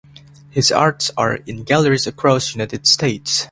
His arts are in galleries across United States.